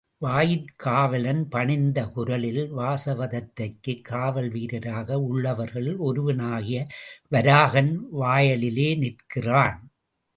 வாயிற் காவலன் பணிந்த குரலில், வாசவதத்தைக்குக் காவல்வீரராக உள்ளவர்களில் ஒருவனாகிய வராகன் வாயலிலே நிற்கிறான்.